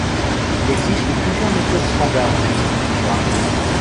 Il existe plusieurs méthodes standards en gestion de programme.